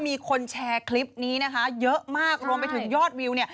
มีคนแชร์คลิปนี้นะคะเยอะมากรวมไปถึงยอดวิวเนี่ย